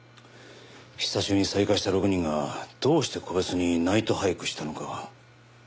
久しぶりに再会した６人がどうして個別にナイトハイクしたのかが。